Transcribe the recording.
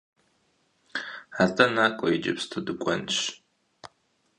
АтӀэ накӀуэ иджыпсту дыкӀуэнщ.